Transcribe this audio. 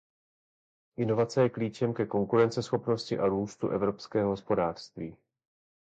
Inovace je klíčem ke konkurenceschopnosti a růstu evropského hospodářství.